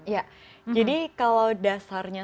iya jadi kalau dasarnya